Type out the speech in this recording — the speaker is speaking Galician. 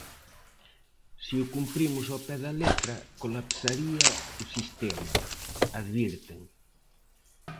"Se o cumprimos ao pé da letra, colapsaría o sistema", advirten.